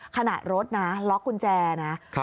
ขณะรถนะล็อกกุญแจนะ